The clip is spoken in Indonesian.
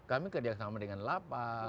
kami kerjasama dengan lapa